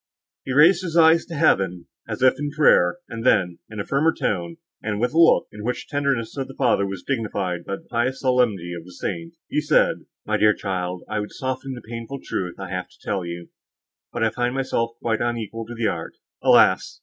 He raised his eyes to heaven, as if in prayer, and then, in a firmer tone, and with a look, in which the tenderness of the father was dignified by the pious solemnity of the saint, he said, "My dear child, I would soften the painful truth I have to tell you, but I find myself quite unequal to the art. Alas!